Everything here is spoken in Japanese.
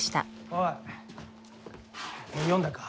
おい読んだか？